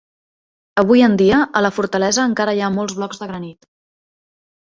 Avui en dia, a la fortalesa encara hi ha molts blocs de granit.